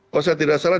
kalau saya tidak salah